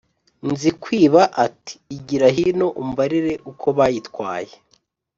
" Nzikwiba ati: "Igira hino umbarire uko bayitwaye!"